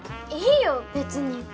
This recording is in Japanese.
いいよ別に。